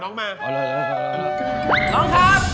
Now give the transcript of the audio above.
น้องครับ